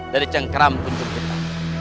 dari cengkram gunjung kita